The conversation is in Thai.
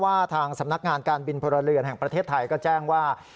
ทางสำนักงานการบินพลเรือนแห่งประเทศไทยก็แจ้งว่า